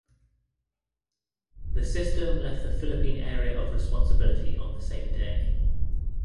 The system left the Philippine Area of Responsibility on the same day.